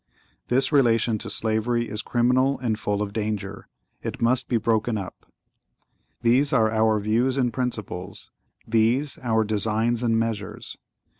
(¶ 33) This relation to slavery is criminal and full of danger; it must be broken up. (¶ 34) These are our views and principles—these, our designs and measures.